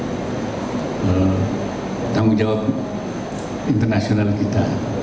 mengirim misi bantuan dan itu bagian daripada tanggung jawab internasional kita